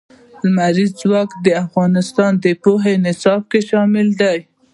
لمریز ځواک د افغانستان د پوهنې نصاب کې شامل دي.